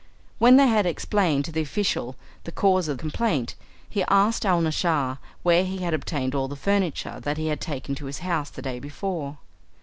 When they had explained to the official the cause of complaint, he asked Alnaschar where he had obtained all the furniture that he had taken to his house the day before.